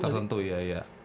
tertentu ya ya